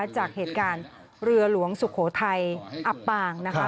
จากเหตุการณ์เรือหลวงศัพท์ไทยอับปาง